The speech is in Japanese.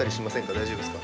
大丈夫ですか？